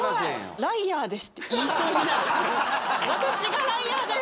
私がライアーです！